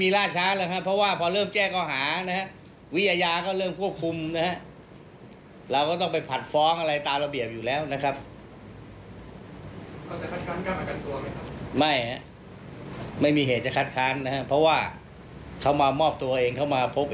๑๐๐ละ๙๐นะครับเราลงไว้ในสมนวนแล้ว